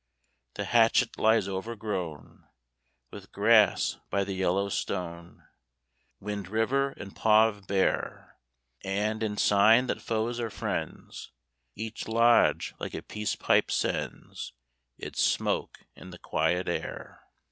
The hatchet lies overgrown With grass by the Yellowstone, Wind River and Paw of Bear; And, in sign that foes are friends, Each lodge like a peace pipe sends Its smoke in the quiet air.